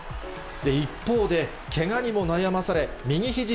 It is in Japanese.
一方で、けがにも悩まされ、右ひじ